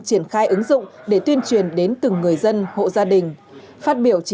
triển khai ứng dụng để tuyên truyền đến từng người dân hộ gia đình